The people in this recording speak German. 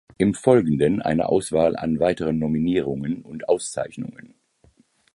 Im Folgenden eine Auswahl an weiteren Nominierungen und Auszeichnungen.